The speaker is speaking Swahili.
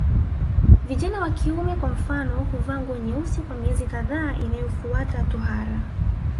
Vijana wa kiume kwa mfano huvaa nguo nyeusi kwa miezi kadhaa inayofuata tohara